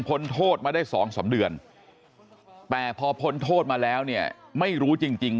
โทษมาได้๒๓เดือนแต่พอพ้นโทษมาแล้วเนี่ยไม่รู้จริง